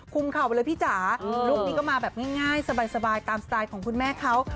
เข่าไปเลยพี่จ๋าลุคนี้ก็มาแบบง่ายสบายตามสไตล์ของคุณแม่เขา